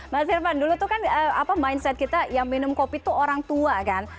mas irvan dulu tuh kan mindset kita yang minum kopi itu orang tua kan